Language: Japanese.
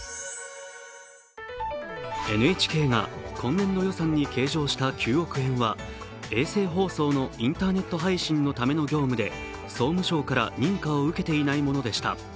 ＮＨＫが今年度予算に計上した今年度予算は衛星放送のインターネット配信のための業務で総務省から認可を受けていないものでした。